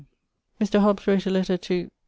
Mr. Hobbes wrote a letter to ...